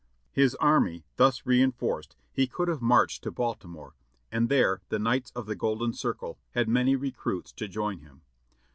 His army thus rein forced he could have marched to Baltimore, and there the Knights of the Golden Circle had many recruits to join him.